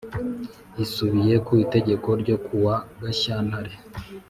Isubiye ku Itegeko ryo kuwa Gashyantare